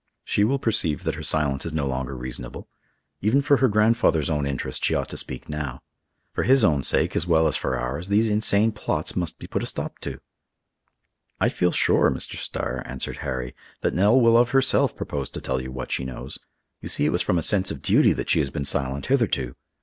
She will perceive that her silence is no longer reasonable. Even for her grandfather's own interest, she ought to speak now. For his own sake, as well as for ours, these insane plots must be put a stop to." "I feel sure, Mr. Starr," answered Harry, "that Nell will of herself propose to tell you what she knows. You see it was from a sense of duty that she has been silent hitherto.